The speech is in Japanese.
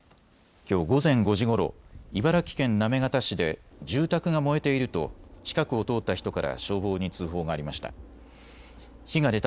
きょう午前５時ごろ茨城県行方市で住宅が燃えていると近くを通った人から消防に通報がありました。